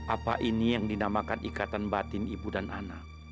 apa ini yang dinamakan ikatan batin ibu dan anak